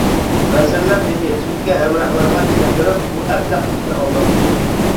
ۋەزىرلەر، دېدى تۈلكە ھەمراھلىرىغا چۈشەندۈرۈپ، بۇ ئەبلەخ بىزنى ئالداپتۇ.